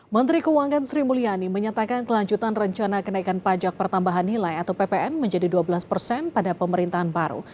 menteri keuangan sri mulyani menyatakan kelanjutan rencana kenaikan pajak pertambahan nilai atau ppn menjadi dua belas persen pada pemerintahan baru